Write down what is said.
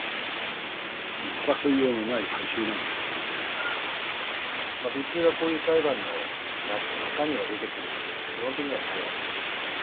つまりその普通はこういう裁判の中身が出てくるってことは基本的にはないわけなんですけれど。